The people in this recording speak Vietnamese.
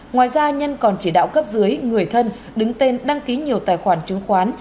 ngoài ra nhân còn chỉ đạo cấp dưới người thân đứng tên đăng ký nhiều tài khoản chứng khoán